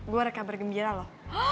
gue ada kabar gembira loh